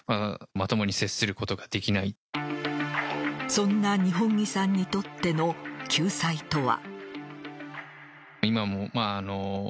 そんな二本樹さんにとっての救済とは。